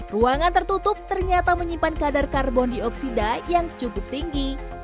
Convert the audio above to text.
ruangan tertutup ternyata menyimpan kadar karbon dioksida yang cukup tinggi